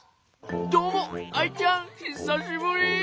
どうもアイちゃんひさしぶり。